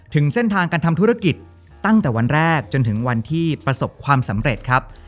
ถึงเส้นทางการทำธุรกิจตั้งแต่วันแรกจนถึงวันที่ประสบความสำเร็จครับ